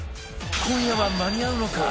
今夜は間に合うのか？